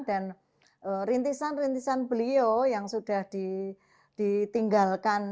rintisan rintisan beliau yang sudah ditinggalkan